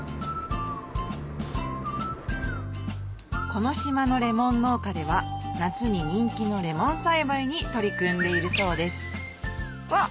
この島のレモン農家では夏に人気のレモン栽培に取り組んでいるそうですわっ！